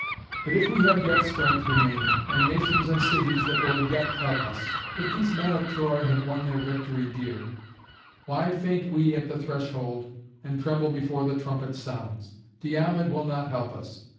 But if we have yet strength remaining, and nations and cities that will yet help us; if these men of Troy have won their victory dear, why faint we at the threshold, and tremble before the trumpet sounds? Diomed will not help us.